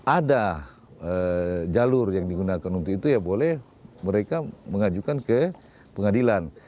ada jalur yang digunakan untuk itu ya boleh mereka mengajukan ke pengadilan